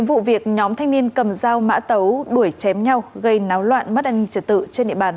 vụ việc nhóm thanh niên cầm dao mã tấu đuổi chém nhau gây náo loạn mất an ninh trật tự trên địa bàn